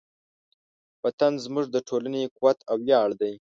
وطن زموږ د ټولنې قوت او ویاړ دی.